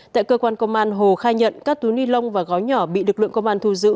tại cơ quan công an hồ khai nhận các túi ni lông và gói nhỏ bị lực lượng công an thu giữ